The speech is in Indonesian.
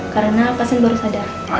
karena pasien baru sadar